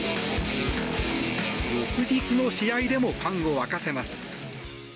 翌日の試合でもファンを沸かせます。